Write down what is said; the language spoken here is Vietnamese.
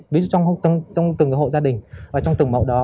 ví dụ trong từng hộ gia đình và trong từng mẫu đó